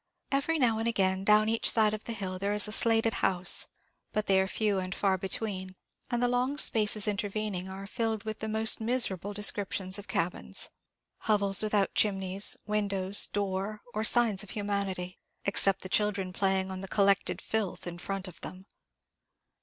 Every now and again, down each side of the hill, there is a slated house, but they are few and far between; and the long spaces intervening are filled with the most miserable descriptions of cabins hovels without chimneys, windows, door, or signs of humanity, except the children playing on the collected filth in front of them.